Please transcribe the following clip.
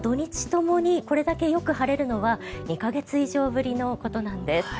ともにこれだけよく晴れるのは２か月以上ぶりのことなんです。